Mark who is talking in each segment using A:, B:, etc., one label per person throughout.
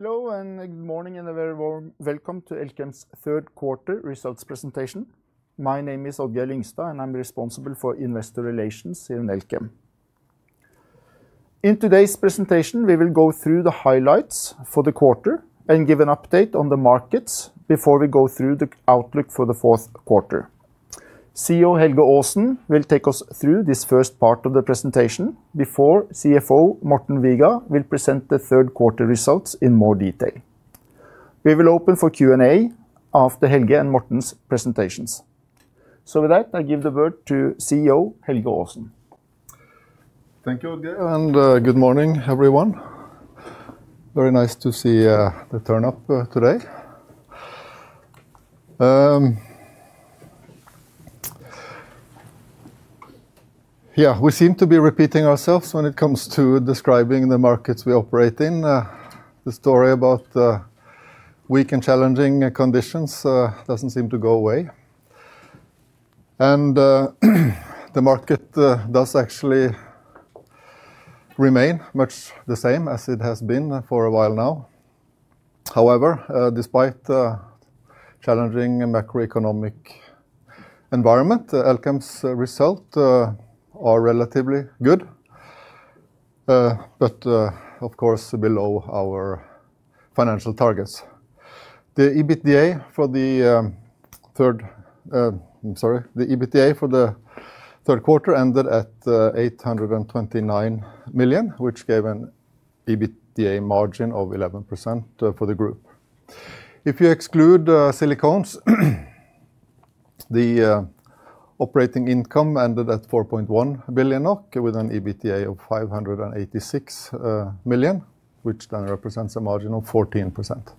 A: Hello, and good morning, and a very warm welcome to Elkem's third quarter results presentation. My name is Odd-Geir Lyngstad, and I'm responsible for Investor Relations in Elkem. In today's presentation, we will go through the highlights for the quarter and give an update on the markets before we go through the outlook for the fourth quarter. CEO Helge Aasen will take us through this first part of the presentation before CFO Morten Viga will present the third quarter results in more detail. We will open for Q&A after Helge and Morten's presentations. With that, I give the word to CEO Helge Aasen.
B: Thank you, Odd-Geir, and good morning, everyone. Very nice to see the turn up today. Yeah, we seem to be repeating ourselves when it comes to describing the markets we operate in. The story about weak and challenging conditions doesn't seem to go away. The market does actually remain much the same as it has been for a while now. However, despite the challenging macroeconomic environment, Elkem's results are relatively good, but of course, below our financial targets. The EBITDA for the third quarter ended at 829 million, which gave an EBITDA margin of 11% for the group. If you exclude silicones, the operating income ended at 4.1 billion NOK with an EBITDA of 586 million, which then represents a margin of 14%.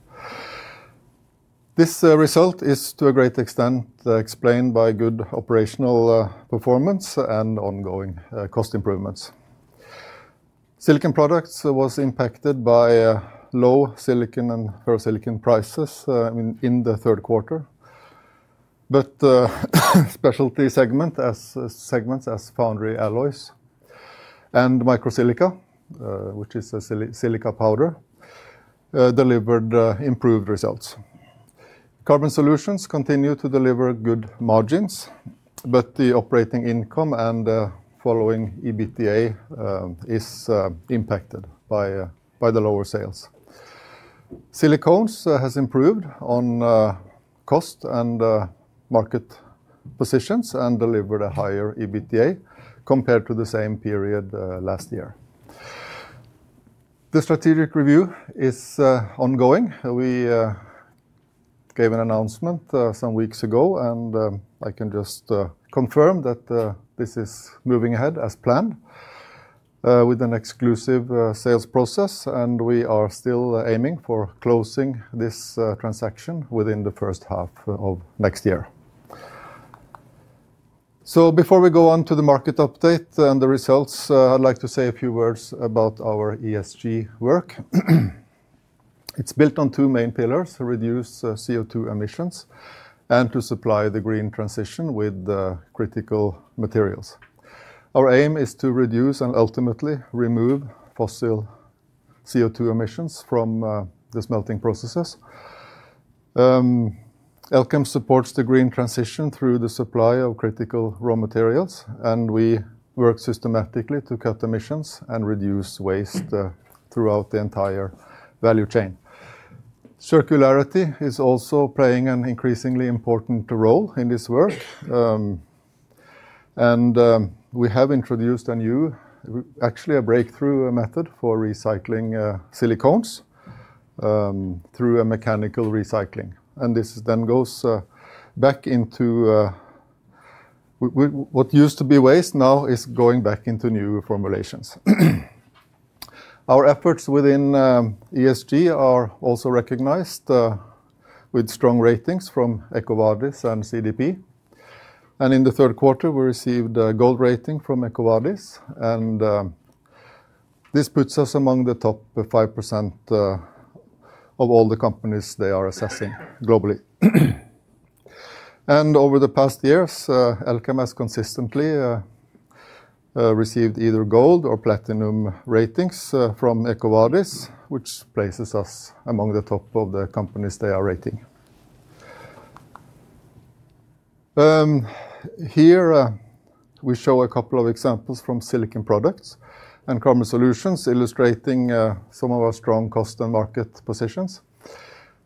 B: This result is to a great extent explained by good operational performance and ongoing cost improvements. Silicon Products were impacted by low silicon and ferro-silicon prices in the third quarter, but specialty segments as foundry alloys and micro-silica, which is a silica powder, delivered improved results. Carbon Solutions continue to deliver good margins, but the operating income and the following EBITDA are impacted by the lower sales. Silicones have improved on cost and market positions and delivered a higher EBITDA compared to the same period last year. The strategic review is ongoing. We gave an announcement some weeks ago, and I can just confirm that this is moving ahead as planned with an exclusive sales process, and we are still aiming for closing this transaction within the first half of next year. Before we go on to the market update and the results, I'd like to say a few words about our ESG work. It's built on two main pillars: reduce CO2 emissions and to supply the green transition with critical materials. Our aim is to reduce and ultimately remove fossil CO2 emissions from the smelting processes. Elkem supports the green transition through the supply of critical raw materials, and we work systematically to cut emissions and reduce waste throughout the entire value chain. Circularity is also playing an increasingly important role in this work, and we have introduced a new, actually a breakthrough method for recycling silicones through mechanical recycling. This then goes back into what used to be waste, now is going back into new formulations. Our efforts within ESG are also recognized with strong ratings from EcoVadis and CDP. In the third quarter, we received a gold rating from EcoVadis, and this puts us among the top 5% of all the companies they are assessing globally. Over the past years, Elkem has consistently received either gold or platinum ratings from EcoVadis, which places us among the top of the companies they are rating here. We show a couple of examples from Silicon Products and Carbon Solutions, illustrating some of our strong cost and market positions.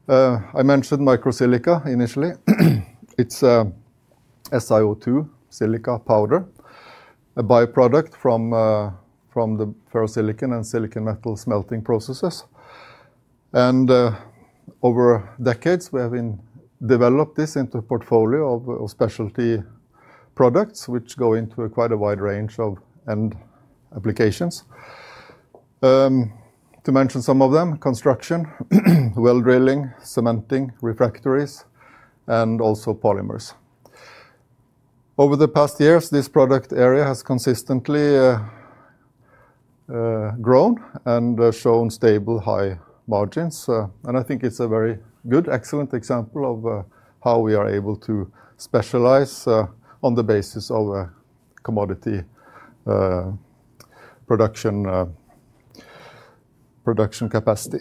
B: I mentioned micro-silica initially. It's SiO2 silica powder, a byproduct from the ferro-silicon and silicon metal smelting processes. Over decades, we have developed this into a portfolio of specialty products, which go into quite a wide range of end applications. To mention some of them: construction, well drilling, cementing, refractories, and also polymers. Over the past years, this product area has consistently grown and shown stable high margins, and I think it's a very good, excellent example of how we are able to specialize on the basis of commodity production capacity.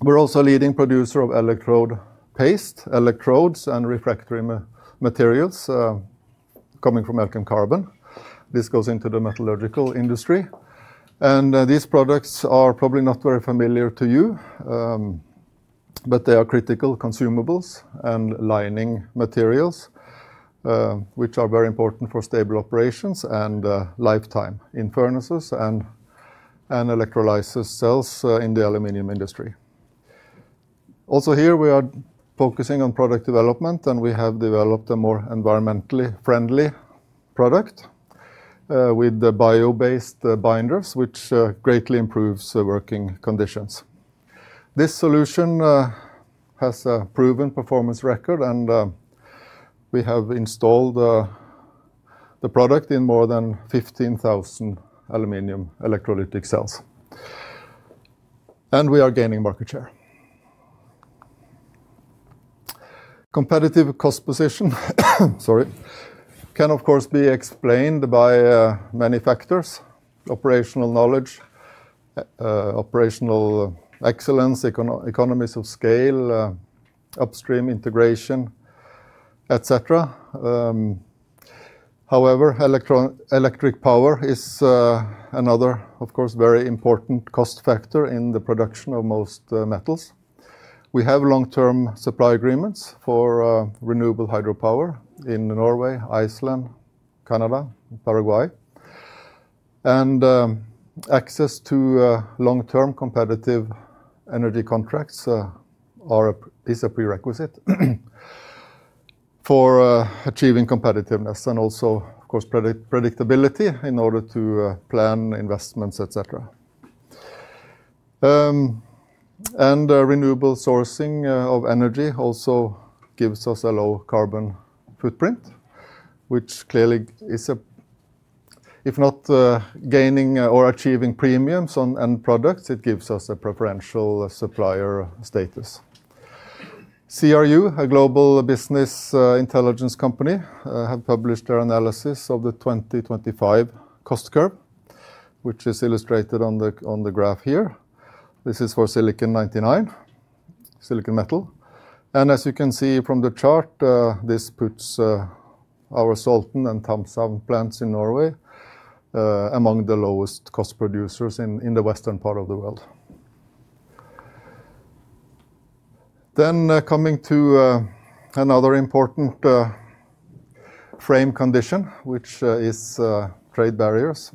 B: We're also a leading producer of electrode paste, electrodes, and refractory materials coming from Elkem Carbon. This goes into the metallurgical industry, and these products are probably not very familiar to you, but they are critical consumables and lining materials which are very important for stable operations and lifetime in furnaces and electrolysis cells in the aluminum industry. Also here, we are focusing on product development, and we have developed a more environmentally friendly product with the bio-based binders, which greatly improves working conditions. This solution has a proven performance record, and we have installed the product in more than 15,000 aluminum electrolytic cells, and we are gaining market share. Competitive cost position can of course be explained by many factors: operational knowledge, operational excellence, economies of scale, upstream integration, etc. However, electric power is another, of course, very important cost factor in the production of most metals. We have long-term supply agreements for renewable hydropower in Norway, Iceland, Canada, and Paraguay, and access to long-term competitive energy contracts is a prerequisite for achieving competitiveness and also, of course, predictability in order to plan investments, etc. Renewable sourcing of energy also gives us a low carbon footprint, which clearly is, if not gaining or achieving premiums on end products, it gives us a preferential supplier status. CRU, a global business intelligence company, has published their analysis of the 2025 cost curve, which is illustrated on the graph here. This is for Silicon 99, silicon metal. As you can see from the chart, this puts our Salten and Thamshavn plants in Norway among the lowest cost producers in the western part of the world. Coming to another important frame condition, which is trade barriers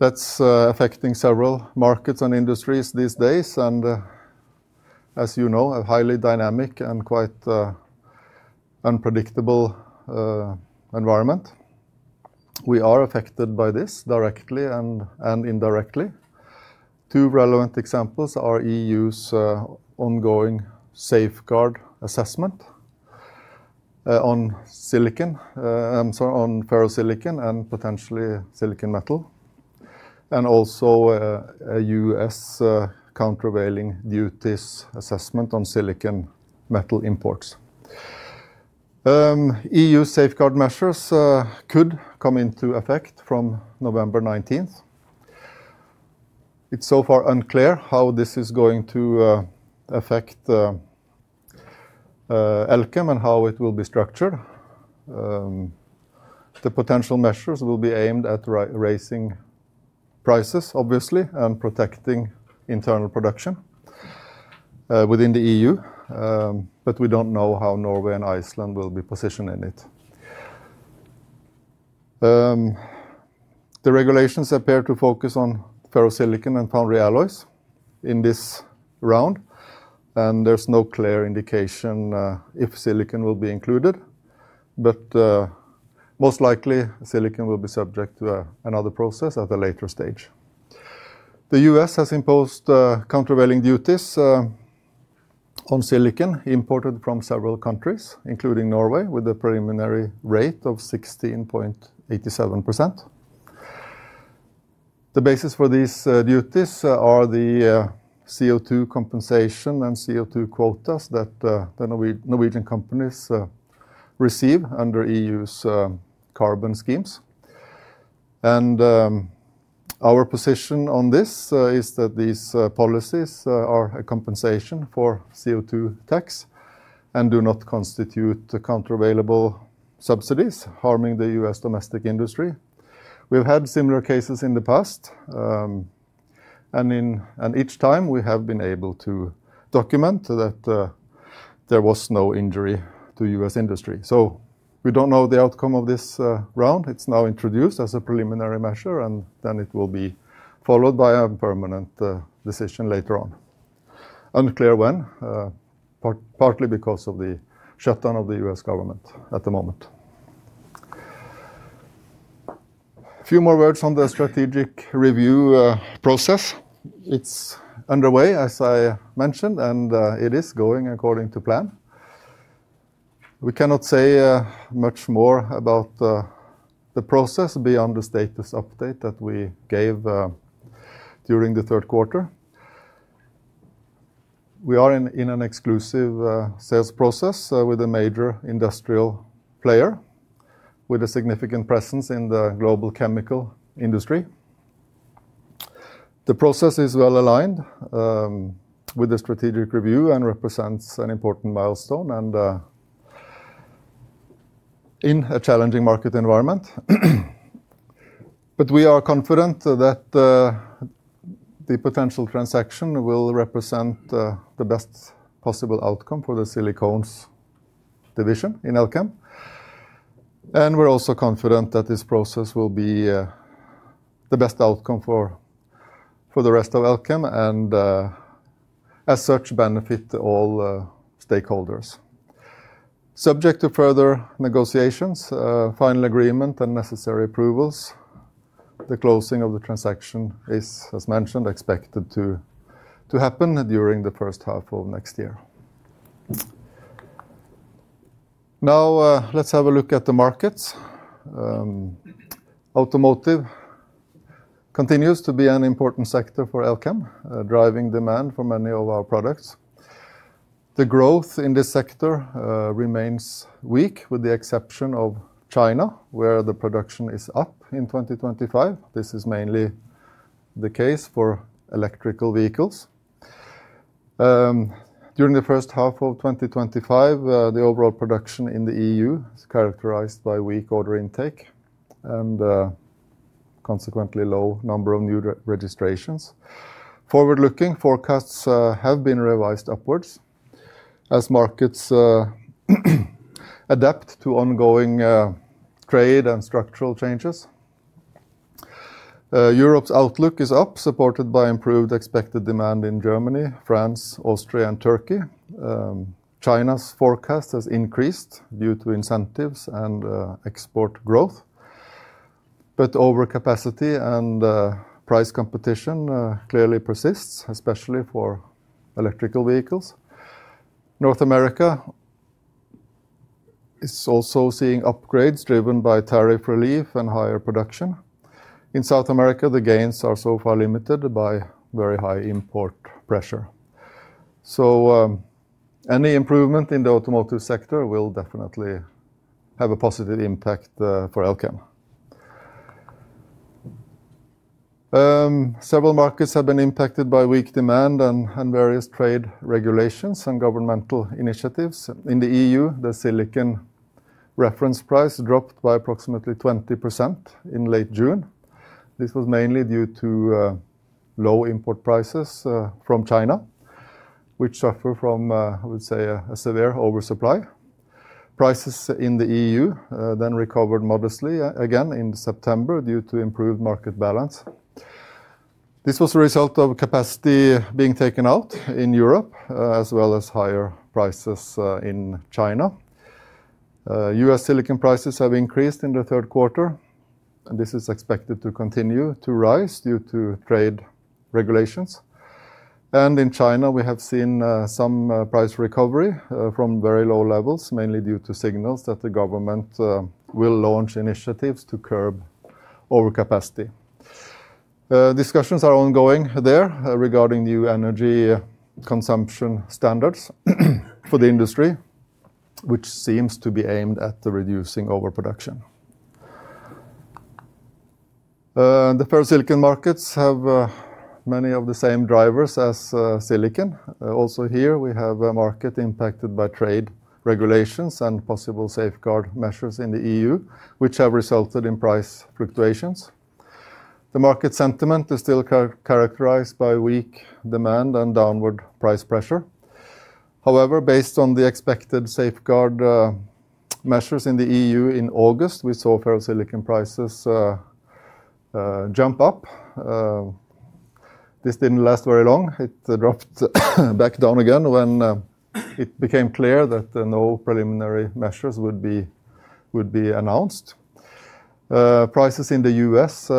B: that are affecting several markets and industries these days. As you know, a highly dynamic and quite unpredictable environment, we are affected by this directly and indirectly. Two relevant examples are the EU's ongoing safeguard assessment on ferro-silicon and potentially silicon metal, and also a U.S. countervailing duties assessment on silicon metal imports. EU safeguard measures could come into effect from November 19th. It's so far unclear how this is going to affect Elkem and how it will be structured. The potential measures will be aimed at raising prices, obviously, and protecting internal production within the EU, but we don't know how Norway and Iceland will be positioned in it. The regulations appear to focus on ferro-silicon and foundry alloys in this round, and there's no clear indication if silicon will be included, but most likely silicon will be subject to another process at a later stage. The U.S. has imposed countervailing duties on silicon imported from several countries, including Norway, with a preliminary rate of 16.87%. The basis for these duties are the CO2 compensation and CO2 quotas that Norwegian companies receive under the EU's carbon schemes. Our position on this is that these policies are a compensation for CO2 tax and do not constitute countervailable subsidies harming the U.S. domestic industry. We've had similar cases in the past, and each time we have been able to document that there was no injury to the U.S. industry. We don't know the outcome of this round. It's now introduced as a preliminary measure, and it will be followed by a permanent decision later on. Unclear when, partly because of the shutdown of the U.S. government at the moment. A few more words on the strategic review process. It's underway, as I mentioned, and it is going according to plan. We cannot say much more about the process beyond the status update that we gave during the third quarter. We are in an exclusive sales process with a major industrial player with a significant presence in the global chemical industry. The process is well aligned with the strategic review and represents an important milestone in a challenging market environment. We are confident that the potential transaction will represent the best possible outcome for the silicones division in Elkem, and we're also confident that this process will be the best outcome for the rest of Elkem and as such benefit all stakeholders. Subject to further negotiations, final agreement, and necessary approvals, the closing of the transaction is, as mentioned, expected to happen during the first half of next year. Now let's have a look at the markets. Automotive continues to be an important sector for Elkem, driving demand for many of our products. The growth in this sector remains weak, with the exception of China, where the production is up in 2025. This is mainly the case for electrical vehicles. During the first half of 2025, the overall production in the EU is characterized by weak order intake and a consequently low number of new registrations. Forward-looking forecasts have been revised upwards as markets adapt to ongoing trade and structural changes. Europe's outlook is up, supported by improved expected demand in Germany, France, Austria, and Turkey. China's forecast has increased due to incentives and export growth, but overcapacity and price competition clearly persist, especially for electrical vehicles. North America is also seeing upgrades driven by tariff relief and higher production. In South America, the gains are so far limited by very high import pressure. Any improvement in the automotive sector will definitely have a positive impact for Elkem. Several markets have been impacted by weak demand and various trade regulations and governmental initiatives. In the EU, the silicon reference price dropped by approximately 20% in late June. This was mainly due to low import prices from China, which suffered from, I would say, a severe oversupply. Prices in the EU then recovered modestly again in September due to improved market balance. This was a result of capacity being taken out in Europe, as well as higher prices in China. U.S. silicon prices have increased in the third quarter, and this is expected to continue to rise due to trade regulations. In China, we have seen some price recovery from very low levels, mainly due to signals that the government will launch initiatives to curb overcapacity. Discussions are ongoing there regarding new energy consumption standards for the industry, which seems to be aimed at reducing overproduction. The ferro-silicon markets have many of the same drivers as silicon. Here, we have a market impacted by trade regulations and possible safeguard measures in the EU, which have resulted in price fluctuations. The market sentiment is still characterized by weak demand and downward price pressure. However, based on the expected safeguard measures in the EU in August, we saw ferro-silicon prices jump up. This did not last very long. It dropped back down again when it became clear that no preliminary measures would be announced. Prices in the U.S.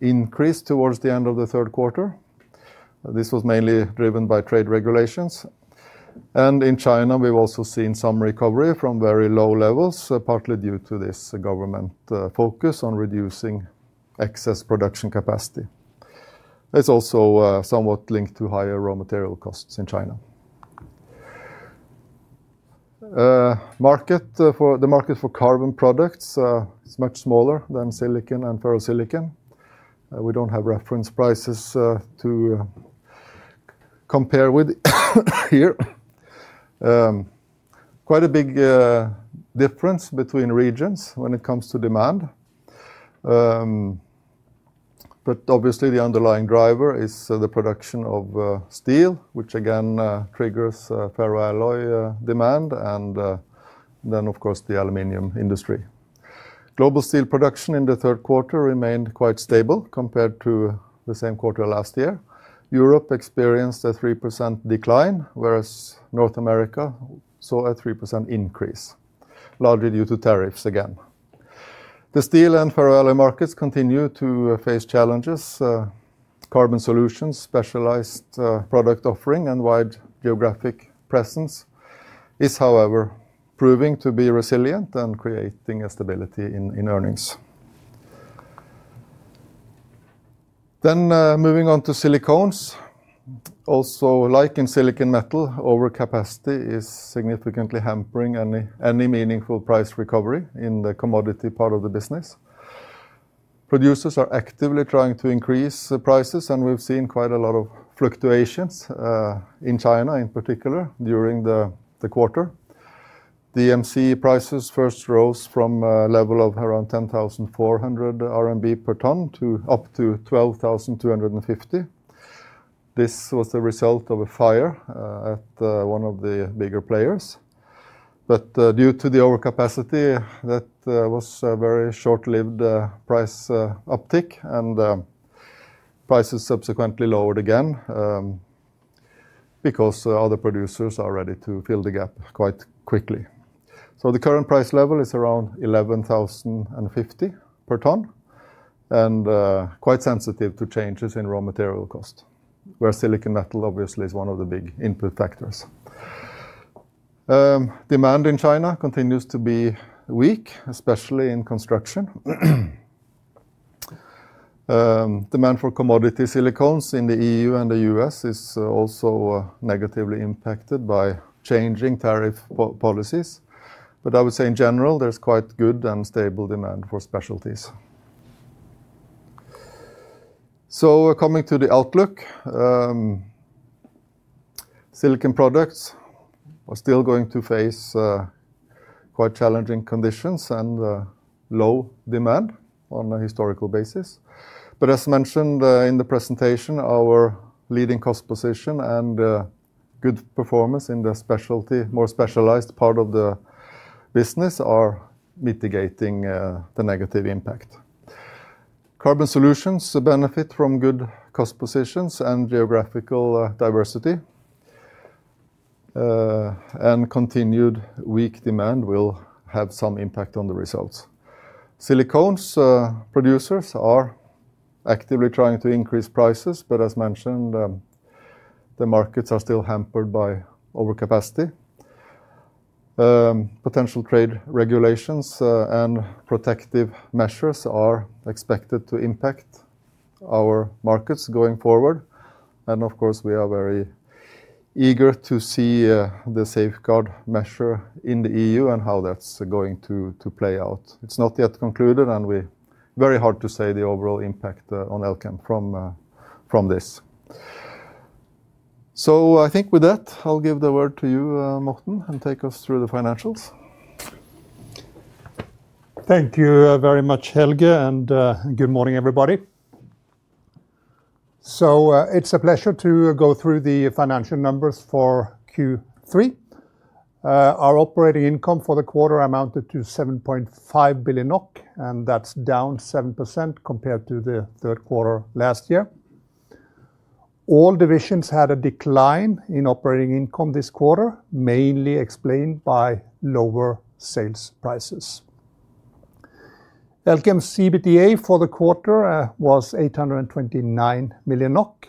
B: increased towards the end of the third quarter. This was mainly driven by trade regulations. In China, we've also seen some recovery from very low levels, partly due to this government focus on reducing excess production capacity. It's also somewhat linked to higher raw material costs in China. The market for carbon products is much smaller than silicon and ferro-silicon. We do not have reference prices to compare with here. There is quite a big difference between regions when it comes to demand. Obviously, the underlying driver is the production of steel, which again triggers ferro-alloy demand, and then, of course, the aluminum industry. Global steel production in the third quarter remained quite stable compared to the same quarter last year. Europe experienced a 3% decline, whereas North America saw a 3% increase, largely due to tariffs again. The steel and ferro-alloy markets continue to face challenges. Carbon Solutions, specialized product offering, and wide geographic presence are, however, proving to be resilient and creating stability in earnings. Moving on to silicones, also like in silicon metal, overcapacity is significantly hampering any meaningful price recovery in the commodity part of the business. Producers are actively trying to increase prices, and we've seen quite a lot of fluctuations in China, in particular, during the quarter. DMC prices first rose from a level of around 10,400 RMB per ton to up to 12,250. This was the result of a fire at one of the bigger players. Due to the overcapacity, that was a very short-lived price uptick, and prices subsequently lowered again because other producers are ready to fill the gap quite quickly. The current price level is around 11,050 per ton and quite sensitive to changes in raw material cost, where silicon metal obviously is one of the big input factors. Demand in China continues to be weak, especially in construction. Demand for commodity silicones in the EU and the U.S. is also negatively impacted by changing tariff policies. I would say in general, there's quite good and stable demand for specialties. Coming to the outlook, Silicon Products are still going to face quite challenging conditions and low demand on a historical basis. As mentioned in the presentation, our leading cost position and good performance in the specialty, more specialized part of the business are mitigating the negative impact. Carbon Solutions benefit from good cost positions and geographical diversity, and continued weak demand will have some impact on the results. Silicones producers are actively trying to increase prices, but as mentioned, the markets are still hampered by overcapacity. Potential trade regulations and protective measures are expected to impact our markets going forward. Of course, we are very eager to see the safeguard measure in the EU and how that's going to play out. It's not yet concluded, and it's very hard to say the overall impact on Elkem from this. I think with that, I'll give the word to you, Morten, and take us through the financials.
C: Thank you very much, Helge, and good morning, everybody. It's a pleasure to go through the financial numbers for Q3. Our operating income for the quarter amounted to 7.5 billion NOK, and that's down 7% compared to the third quarter last year. All divisions had a decline in operating income this quarter, mainly explained by lower sales prices. Elkem's EBITDA for the quarter was 829 million NOK.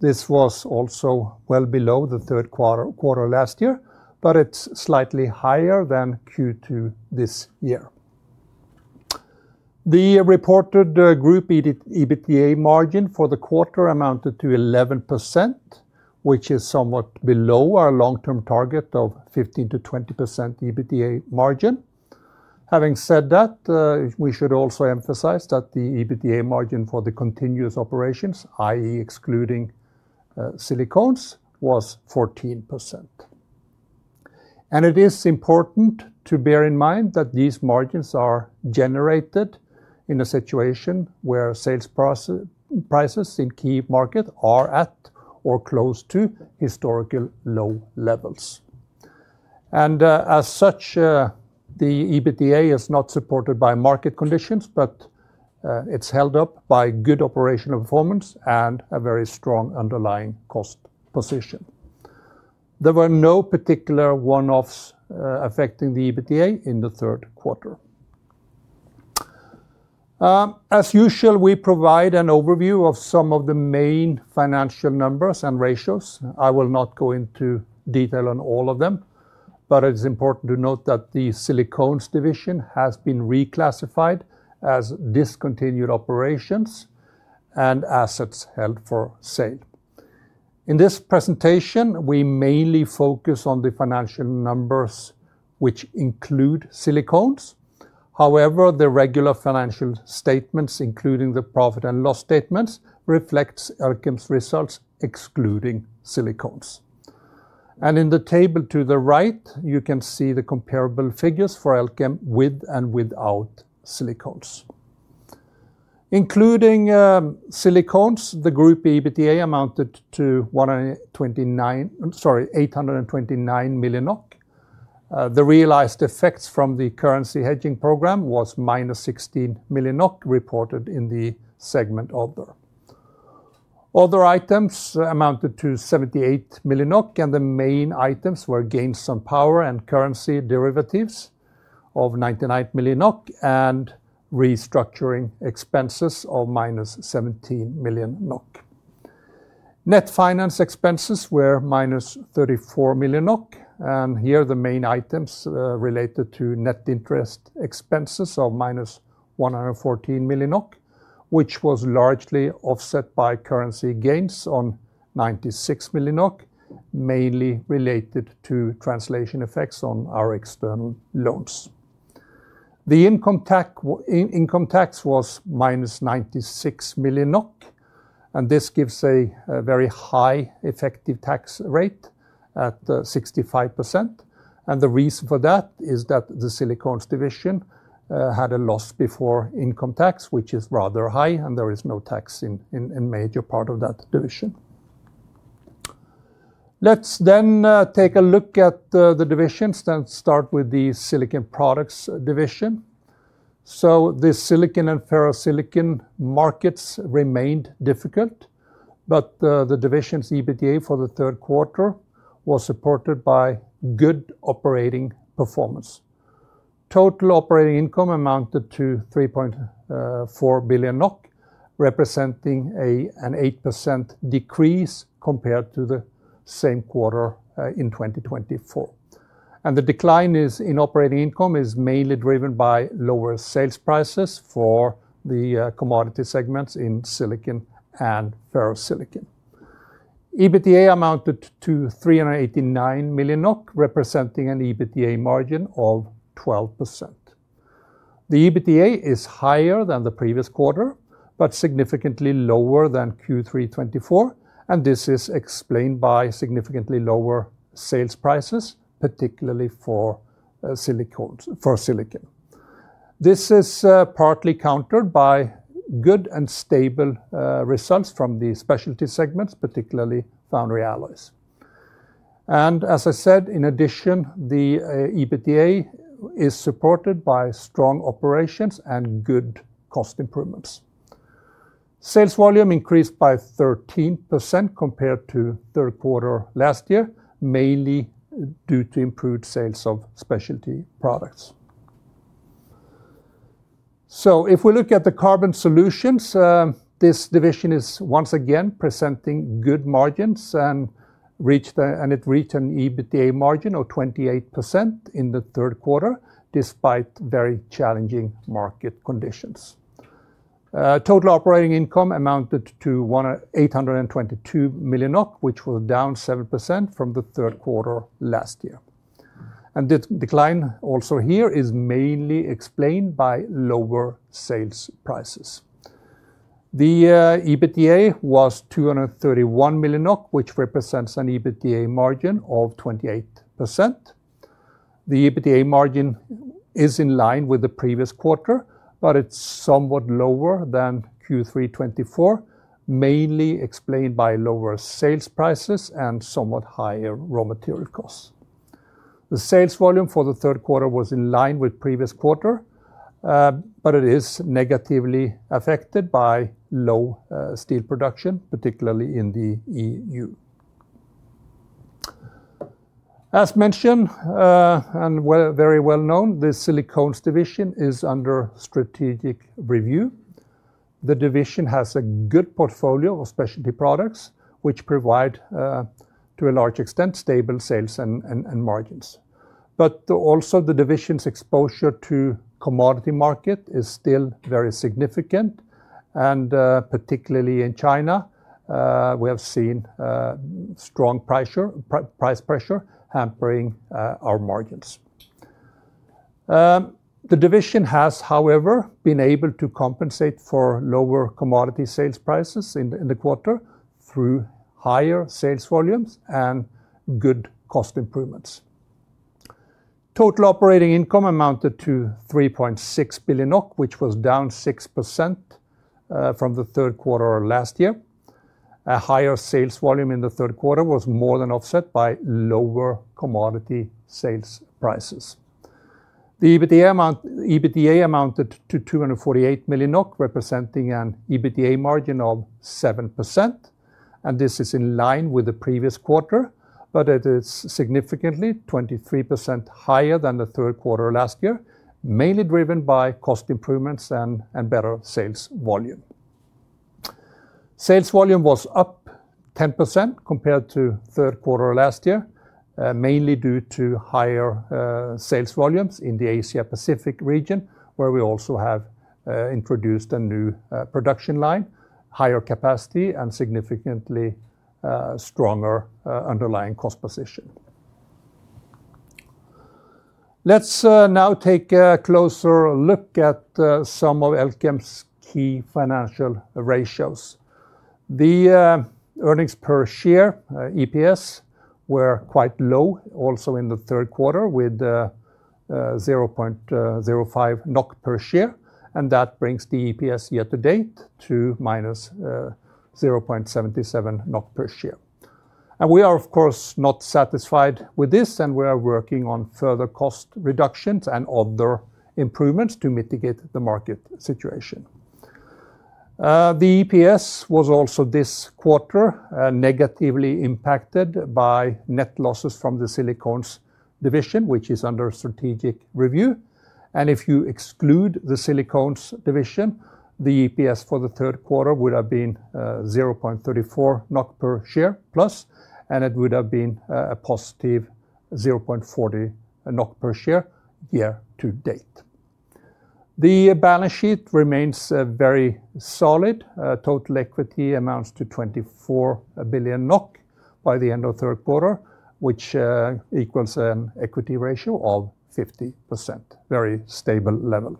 C: This was also well below the third quarter last year, but it's slightly higher than Q2 this year. The reported group EBITDA margin for the quarter amounted to 11%, which is somewhat below our long-term target of 15%-20% EBITDA margin. Having said that, we should also emphasize that the EBITDA margin for the continuous operations, i.e., excluding silicones, was 14%. It is important to bear in mind that these margins are generated in a situation where sales prices in the key market are at or close to historical low levels. As such, the EBITDA is not supported by market conditions, but it's held up by good operational performance and a very strong underlying cost position. There were no particular one-offs affecting the EBITDA in the third quarter. As usual, we provide an overview of some of the main financial numbers and ratios. I will not go into detail on all of them, but it's important to note that the silicones division has been reclassified as discontinued operations and assets held for sale. In this presentation, we mainly focus on the financial numbers which include silicones. However, the regular financial statements, including the profit and loss statements, reflect Elkem's results excluding silicones. In the table to the right, you can see the comparable figures for Elkem with and without silicones. Including silicones, the group EBITDA amounted to 829 million NOK. The realized effects from the currency hedging program were -16 million NOK reported in the segment order. Other items amounted to 78 million, and the main items were gains on power and currency derivatives of 99 million NOK and restructuring expenses of -17 million NOK. Net finance expenses were -34 million NOK, and here the main items related to net interest expenses are -114 million, which was largely offset by currency gains on 96 million, mainly related to translation effects on our external loans. The income tax was -96 million NOK, and this gives a very high effective tax rate at 65%. The reason for that is that the silicones division had a loss before income tax, which is rather high, and there is no tax in a major part of that division. Let's take a look at the divisions and start with the Silicon Products division. The silicon and ferro-silicon markets remained difficult, but the division's EBITDA for the third quarter was supported by good operating performance. Total operating income amounted to 3.4 billion NOK, representing an 8% decrease compared to the same quarter in 2024. The decline in operating income is mainly driven by lower sales prices for the commodity segments in silicon and ferro-silicon. EBITDA amounted to 389 million NOK, representing an EBITDA margin of 12%. The EBITDA is higher than the previous quarter, but significantly lower than Q3 2024, and this is explained by significantly lower sales prices, particularly for silicones. This is partly countered by good and stable results from the specialty segment, particularly foundry alloys. In addition, the EBITDA is supported by strong operations and good cost improvements. Sales volume increased by 13% compared to the third quarter last year, mainly due to improved sales of specialty products. If we look at the Carbon Solutions, this division is once again presenting good margins and it reached an EBITDA margin of 28% in the third quarter, despite very challenging market conditions. Total operating income amounted to 822 million, which was down 7% from the third quarter last year. This decline also here is mainly explained by lower sales prices. The EBITDA was 231 million NOK, which represents an EBITDA margin of 28%. The EBITDA margin is in line with the previous quarter, but it's somewhat lower than Q3 2024, mainly explained by lower sales prices and somewhat higher raw material costs. The sales volume for the third quarter was in line with the previous quarter, but it is negatively affected by low steel production, particularly in the EU. As mentioned and very well known, the silicones division is under strategic review. The division has a good portfolio of specialty products, which provide, to a large extent, stable sales and margins. The division's exposure to the commodity market is still very significant, and particularly in China, we have seen strong price pressure hampering our margins. The division has, however, been able to compensate for lower commodity sales prices in the quarter through higher sales volumes and good cost improvements. Total operating income amounted to 3.6 billion, which was down 6% from the third quarter last year. A higher sales volume in the third quarter was more than offset by lower commodity sales prices. The EBITDA amounted to 248 million NOK, representing an EBITDA margin of 7%, and this is in line with the previous quarter, but it is significantly 23% higher than the third quarter last year, mainly driven by cost improvements and better sales volume. Sales volume was up 10% compared to the third quarter last year, mainly due to higher sales volumes in the Asia-Pacific region, where we also have introduced a new production line, higher capacity, and a significantly stronger underlying cost position. Let's now take a closer look at some of Elkem's key financial ratios. The earnings per share, EPS, were quite low also in the third quarter, with 0.05 NOK per share, and that brings the EPS year to date to -0.77 NOK per share. We are, of course, not satisfied with this, and we are working on further cost reductions and other improvements to mitigate the market situation. The EPS was also this quarter negatively impacted by net losses from the silicones division, which is under strategic review. If you exclude the silicones division, the EPS for the third quarter would have been 0.34 NOK per share plus, and it would have been a +0.40 NOK per share year to date. The balance sheet remains very solid. Total equity amounts to 24 billion NOK by the end of the third quarter, which equals an equity ratio of 50%, a very stable level.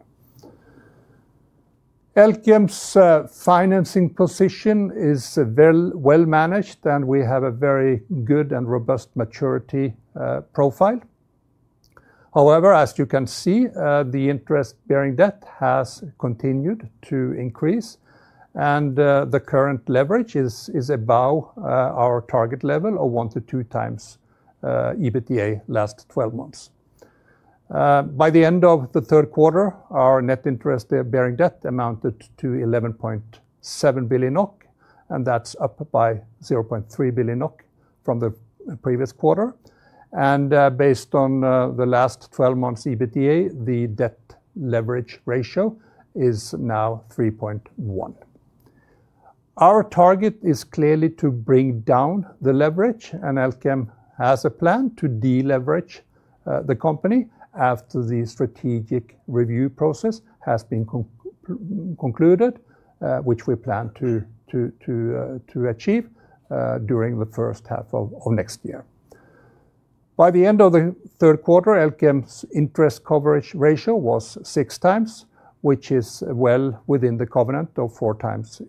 C: Elkem's financing position is well managed, and we have a very good and robust maturity profile. However, as you can see, the interest-bearing debt has continued to increase, and the current leverage is above our target level of one to two times EBITDA last 12 months. By the end of the third quarter, our net interest-bearing debt amounted to 11.7 billion NOK, and that's up by 0.3 billion NOK from the previous quarter. Based on the last 12 months' EBITDA, the debt leverage ratio is now 3.1. Our target is clearly to bring down the leverage, and Elkem has a plan to deleverage the company after the strategic review process has been concluded, which we plan to achieve during the first half of next year. By the end of the third quarter, Elkem's interest coverage ratio was 6x, which is well within the covenant of 4x,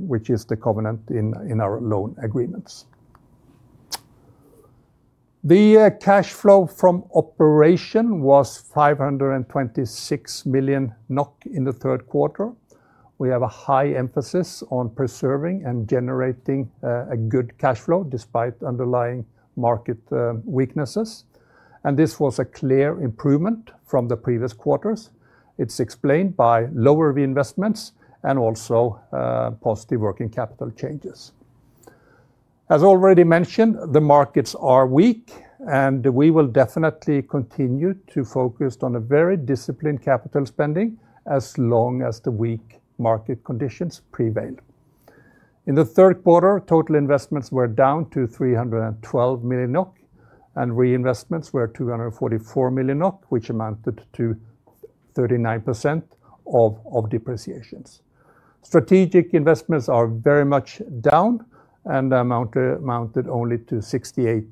C: which is the covenant in our loan agreements. The cash flow from operation was 526 million NOK in the third quarter. We have a high emphasis on preserving and generating a good cash flow despite underlying market weaknesses, and this was a clear improvement from the previous quarters. It's explained by lower reinvestments and also positive working capital changes. As already mentioned, the markets are weak, and we will definitely continue to focus on a very disciplined capital spending as long as the weak market conditions prevail. In the third quarter, total investments were down to 312 million NOK, and reinvestments were 244 million NOK, which amounted to 39% of depreciations. Strategic investments are very much down and amounted only to 68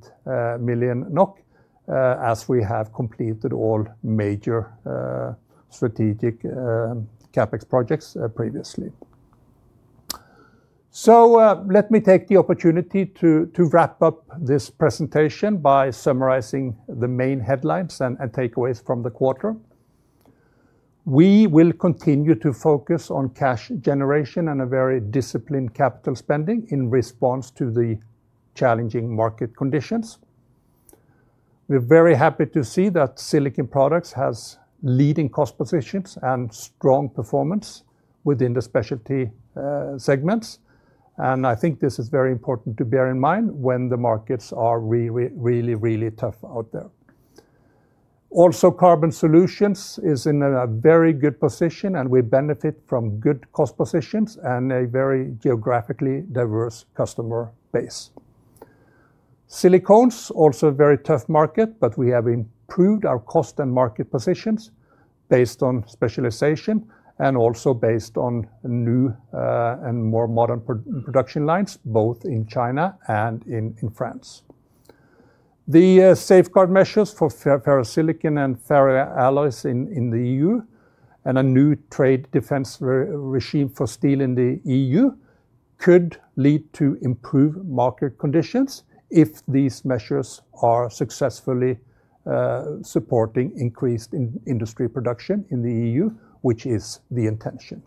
C: million NOK, as we have completed all major strategic CapEx projects previously. Let me take the opportunity to wrap up this presentation by summarizing the main headlines and takeaways from the quarter. We will continue to focus on cash generation and a very disciplined capital spending in response to the challenging market conditions. We're very happy to see that Silicon Products have leading cost positions and strong performance within the specialty segment, and I think this is very important to bear in mind when the markets are really, really tough out there. Also, Carbon Solutions is in a very good position, and we benefit from good cost positions and a very geographically diverse customer base. Silicones, also a very tough market, but we have improved our cost and market positions based on specialization and also based on new and more modern production lines, both in China and in France. The safeguard measures for ferro-silicon and ferro-alloys in the EU and a new trade defense regime for steel in the EU could lead to improved market conditions if these measures are successfully supporting increased industry production in the EU, which is the intention.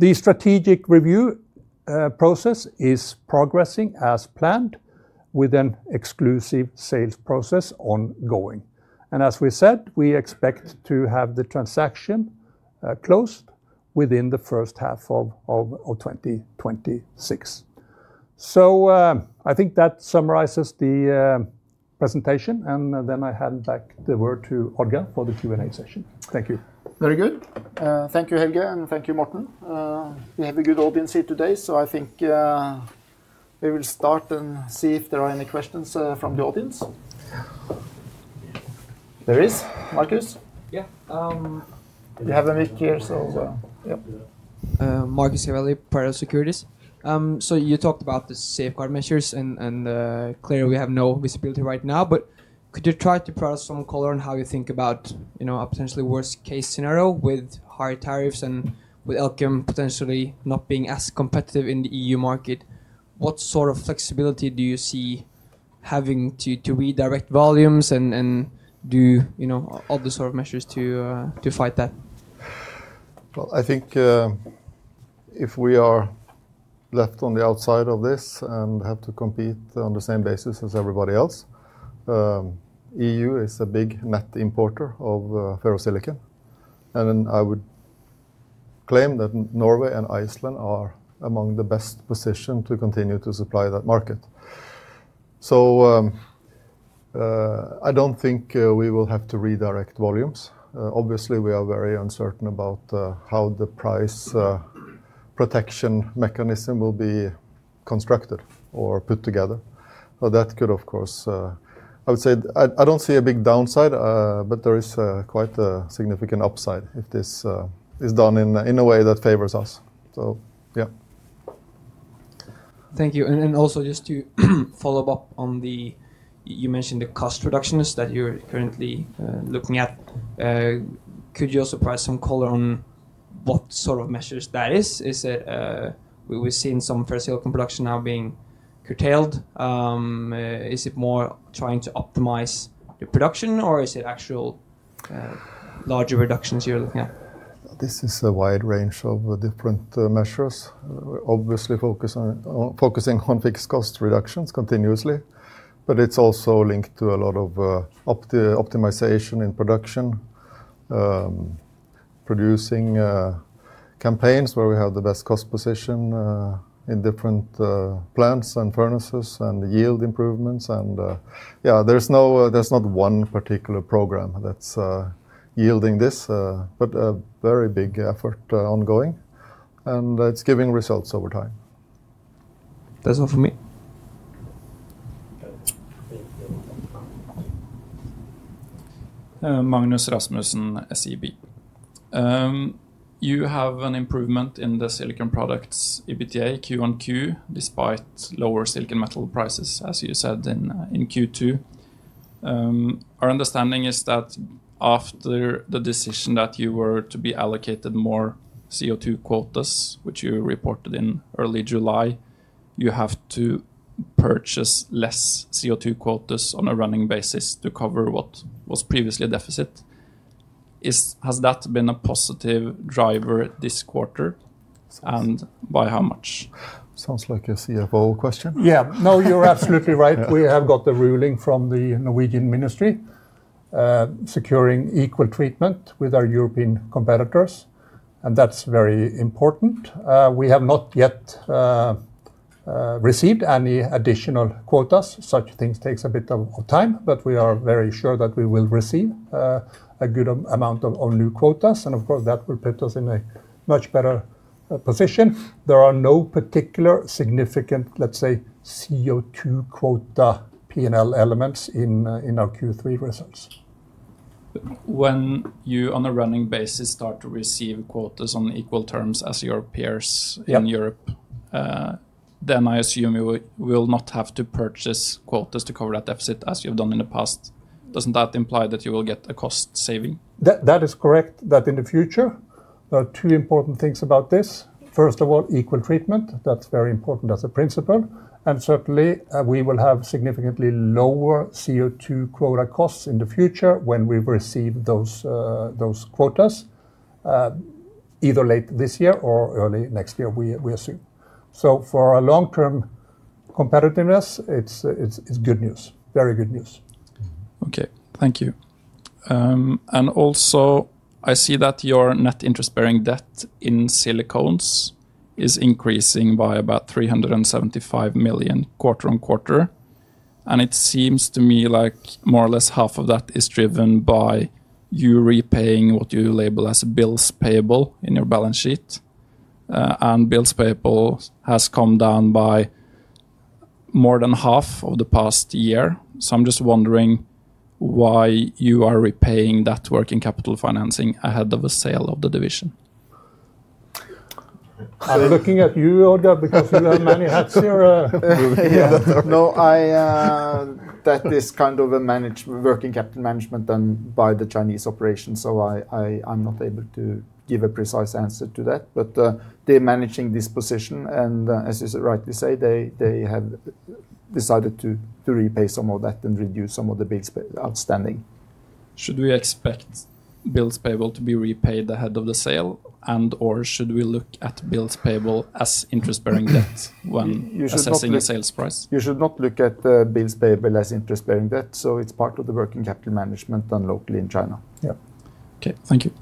C: The strategic review process is progressing as planned with an exclusive sales process ongoing. As we said, we expect to have the transaction closed within the first half of 2026. I think that summarizes the presentation, and then I hand back the word to Odd-Geir for the Q&A session. Thank you.
A: Very good. Thank you, Helge, and thank you, Morten. We have a good audience here today. I think we will start and see if there are any questions from the audience. There is, Markus. Yeah, we have a mic here. You talked about the safeguard measures, and clearly we have no visibility right now, but could you try to put out some color on how you think about a potentially worst-case scenario with higher tariffs and with Elkem potentially not being as competitive in the EU market? What sort of flexibility do you see having to redirect volumes and do other sort of measures to fight that?
B: I think if we are left on the outside of this and have to compete on the same basis as everybody else, the EU is a big net importer of ferro-silicon, and I would claim that Norway and Iceland are among the best positions to continue to supply that market. I don't think we will have to redirect volumes. Obviously, we are very uncertain about how the price protection mechanism will be constructed or put together. That could, of course, I would say I don't see a big downside, but there is quite a significant upside if this is done in a way that favors us. Yeah. Thank you. Just to follow up, you mentioned the cost reductions that you're currently looking at. Could you also provide some color on what sort of measures that is? Is it, we've seen some ferro-silicon production now being curtailed. Is it more trying to optimize the production, or is it actual larger reductions you're looking at? This is a wide range of different measures. We're obviously focusing on fixed cost reductions continuously, but it's also linked to a lot of optimization in production, producing campaigns where we have the best cost position in different plants and furnaces and yield improvements. There's not one particular program that's yielding this, but a very big effort ongoing, and it's giving results over time. That's all for me.
D: Magnus Rasmussen SEB. You have an improvement in the Silicon Products EBITDA QoQ despite lower silicon metal prices, as you said in Q2. Our understanding is that after the decision that you were to be allocated more CO2 quotas, which you reported in early July, you have to purchase less CO2 quotas on a running basis to cover what was previously a deficit. Has that been a positive driver this quarter? By how much?
B: Sounds like a CFO question.
C: Yeah, no, you're absolutely right. We have got the ruling from the Norwegian Ministry securing equal treatment with our European competitors, and that's very important. We have not yet received any additional quotas. Such things take a bit of time, but we are very sure that we will receive a good amount of new quotas, and of course that will put us in a much better position. There are no particular significant, let's say, CO2 quota P&L elements in our Q3 results.
D: When you, on a running basis, start to receive quotas on equal terms as your peers in Europe, then I assume you will not have to purchase quotas to cover that deficit as you've done in the past. Doesn't that imply that you will get a cost saving?
C: That is correct, that in the future. There are two important things about this. First of all, equal treatment. That's very important as a principle. We will have significantly lower CO2 quota costs in the future when we've received those quotas, either late this year or early next year, we assume. For our long-term competitiveness, it's good news, very good news.
D: Okay, thank you. I see that your net interest-bearing debt in silicones is increasing by about 375 million quarter-on-quarter, and it seems to me like more or less half of that is driven by you repaying what you label as bills payable in your balance sheet. Bills payable has come down by more than half over the past year. I'm just wondering why you are repaying that working capital financing ahead of a sale of the division.
B: I'm looking at you, Odd-Geir, because you have many hats here.
C: No, that is kind of a working capital management done by the Chinese operations, so I'm not able to give a precise answer to that. They're managing this position, and as you rightly say, they have decided to repay some of that and reduce some of the bills outstanding.
D: Should we expect bills payable to be repaid ahead of the sale, and/or should we look at bills payable as interest-bearing debt when assessing the sales price?
C: You should not look at bills payable as interest-bearing debt. It's part of the working capital management done locally in China.
D: Yeah, thank you.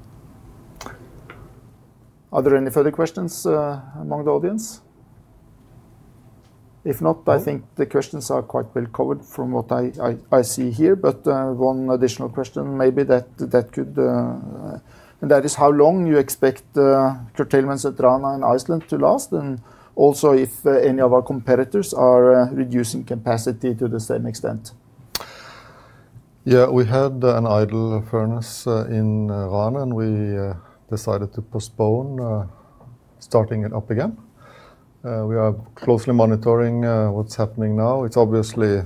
A: Are there any further questions among the audience? If not, I think the questions are quite well covered from what I see here. One additional question may be that, and that is how long you expect curtailments at Rana in Iceland to last, and also if any of our competitors are reducing capacity to the same extent.
B: We had an idle furnace in Rana, and we decided to postpone starting it up again. We are closely monitoring what's happening now. It's obviously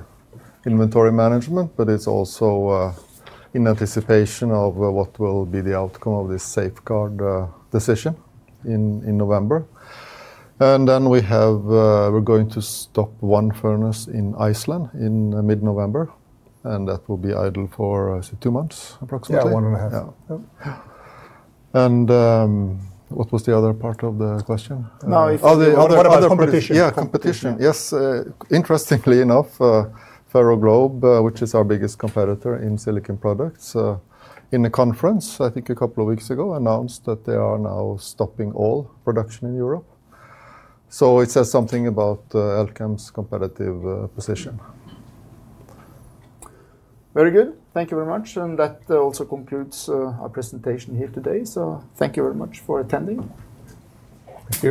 B: inventory management, but it's also in anticipation of what will be the outcome of this safeguard decision in November. We're going to stop one furnace in Iceland in mid-November, and that will be idle for two months approximately 1.5. What was the other part of the question?
A: No, what about the competition?
B: Yeah, competition. Interestingly enough, Ferroglobe, which is our biggest competitor in Silicon Products, in a conference I think a couple of weeks ago announced that they are now stopping all production in Europe. It says something about Elkem's competitive position.
A: Very good. Thank you very much. That also concludes our presentation here today. Thank you very much for attending.
B: Thank you.